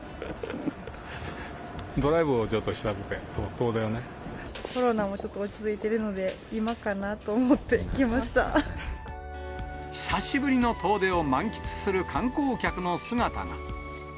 ドライブをちょっとしたくて、コロナもちょっと落ち着いているので、久しぶりの遠出を満喫する観光客の姿が。